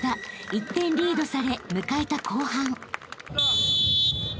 １点リードされ迎えた後半］